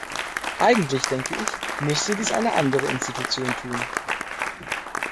Eigentlich, denke ich, müsste dies eine andere Institution tun.